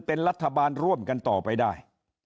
เป็นรัฐบาลร่วมกันต่อไปได้